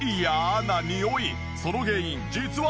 その原因実は。